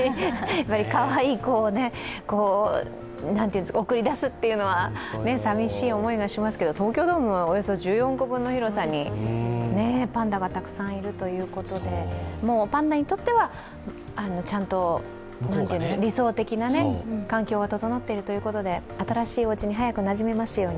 かわいい子を送り出すというのはさみしい思いがしますけど、東京ドームおよそ１４個分の広場にパンダがたくさんいるということで、パンダにとっては理想的な環境が整っているということで、新しいおうちに早くなじめますように。